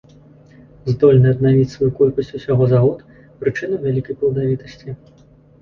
Здольныя аднавіць сваю колькасць усяго за год, прычына ў вялікай пладавітасці.